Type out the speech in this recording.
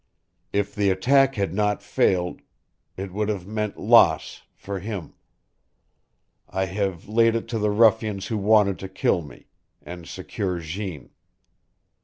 If the attack had not failed it would have meant loss for him. I have laid it to the ruffians who wanted to kill me and secure Jeanne.